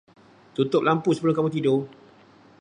Tutup lampu sebelum kamu tidur.